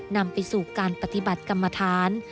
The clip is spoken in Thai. นำไปสู่การปฏิบัติกรรมฐาน